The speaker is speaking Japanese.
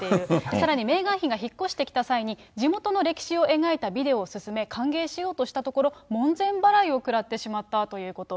さらにメーガン妃が引っ越してきた際に、地元の歴史を描いたビデオを勧め、歓迎しようとしたところ、門前払いを食らってしまったということ。